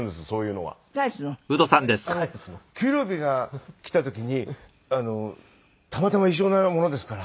給料日が来た時にたまたま一緒なものですから。